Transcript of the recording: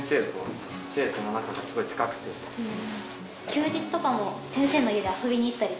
休日とかも先生の家にあそびに行ったりとか。